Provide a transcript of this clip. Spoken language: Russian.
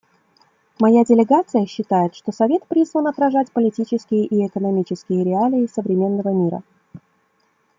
Моя делегация считает, что Совет призван отражать политические и экономические реалии современного мира.